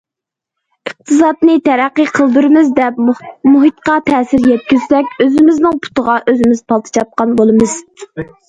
ئىقتىسادنى تەرەققىي قىلدۇرىمىز دەپ، مۇھىتقا تەسىر يەتكۈزسەك، ئۆزىمىزنىڭ پۇتىغا ئۆزىمىز پالتا چاپقان بولىمىز.